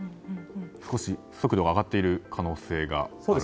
少し速度が上がっている可能性があると。